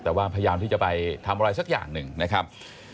แต่ว่าพยายามที่จะไปทำอะไรสักอย่างหนึ่งนะครับ